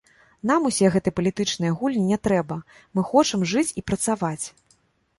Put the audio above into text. Нам усе гэтыя палітычныя гульні не трэба, мы хочам жыць і працаваць.